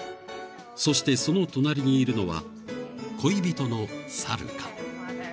［そしてその隣にいるのは恋人のサルカ］